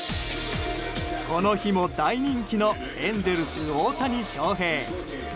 この日も大人気のエンゼルス、大谷翔平。